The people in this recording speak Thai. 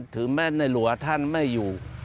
ถึงแม้ในหลัวท่านไม่อยู่